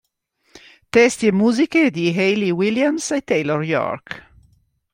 Testi e musiche di Hayley Williams e Taylor York.